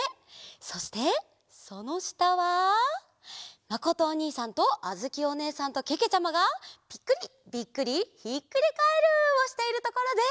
そしてそのしたはまことおにいさんとあづきおねえさんとけけちゃまが「ぴっくり！ビックリ！ひっくりカエル！」をしているところです。